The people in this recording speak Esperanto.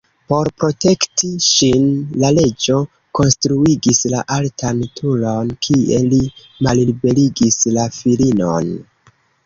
Por protekti ŝin, la reĝo konstruigis la altan turon kie li malliberigis la filinon.